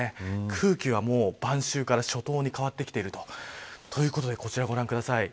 空気がもう晩秋から初冬に変わってきていると。ということでこちらをご覧ください。